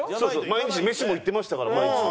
毎日メシも行ってましたから。